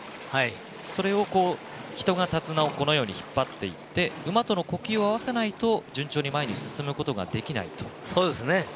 それを人が手綱をこのように引っ張っていって馬との呼吸を合わせないと順調に前に進むことができないと。